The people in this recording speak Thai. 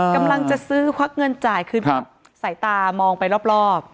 อ่ากำลังจะซื้อฟักเงินจ่ายครับสายตามองไปรอบรอบ